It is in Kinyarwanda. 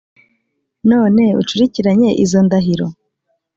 None ucurikiranye izo ndahiro?"